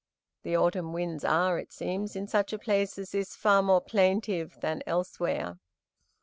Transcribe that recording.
The autumn winds are, it seems, in such a place as this, far more plaintive than elsewhere.